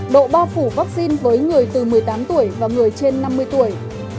độ bao phủ vaccine với người từ một mươi tám tuổi và người trên năm mươi tuổi